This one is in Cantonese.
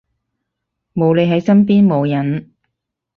冇你喺身邊冇癮